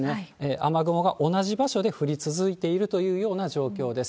雨雲が同じ場所で降り続いているというような状況です。